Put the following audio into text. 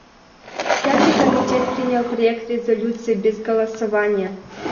Пятый комитет принял проект резолюции без голосования.